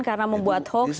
karena membuat hoaks